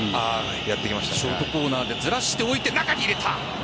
ショートコーナーでずらしておいて中に入れた。